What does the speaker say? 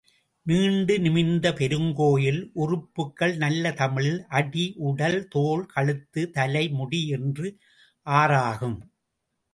நீண்டு நிமிர்ந்த பெருங்கோயில் உறுப்புகள் நல்ல தமிழில், அடி, உடல், தோள், கழுத்து, தலை, முடி என்று ஆறாகும்.